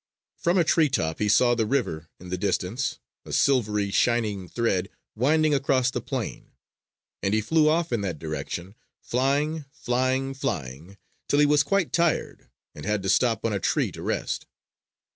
From a tree top he saw the river in the distance, a silvery, shining thread winding across the plain. And he flew off in that direction, flying, flying, flying, till he was quite tired and had to stop on a tree to rest.